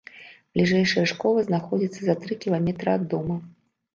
Бліжэйшая школа знаходзіцца за тры кіламетры ад дома.